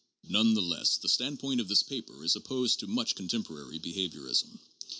None the less the standpoint of this paper is opposed to much contemporary behaviorism.